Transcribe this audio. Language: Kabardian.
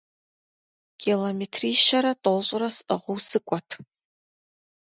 Километрищэрэ тӏощӏрэ сӏыгъыу сыкӏуэт.